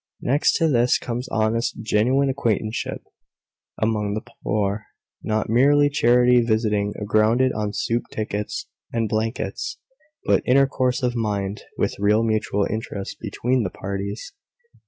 Next to this comes honest, genuine acquaintanceship among the poor; not mere charity visiting, grounded on soup tickets and blankets, but intercourse of mind, with real mutual interest between the parties.